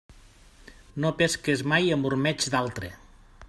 No pesques mai amb ormeig d'altre.